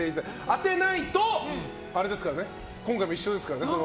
当てないと今回も一緒ですからね。